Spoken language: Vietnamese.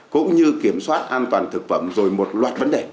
cũng như kiểm soát an toàn thực phẩm rồi một loạt vấn đề